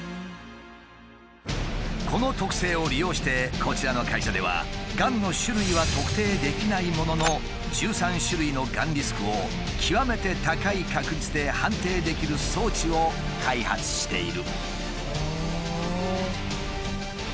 この特性を利用してこちらの会社ではがんの種類は特定できないものの１３種類のがんリスクを極めて高い確率で判定できる装置を開発している。